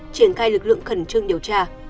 triển khai lực lượng khẩn trương điều tra